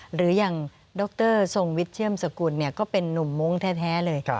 หรืออย่างดรทรงวิทย์เชื่อมสกุลก็เป็นนุ่มมงค์แท้เลย